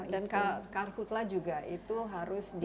dan karkutlah juga itu harus dimitigasi